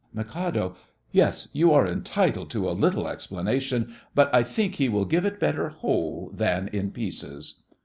MIK. Yes, you are entitled to a little explanation, but I think he will give it better whole than in pieces.